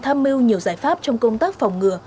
tham mưu nhiều giải pháp trong công tác phòng ngừa